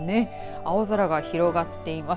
青空が広がっています。